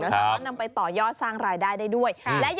สามารถนำไปต่อยอดสร้างรายได้ได้ด้วย